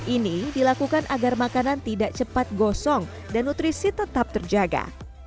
ini dilakukan agar makanan tidak cepat gosong dan nutrisi tetap terjaga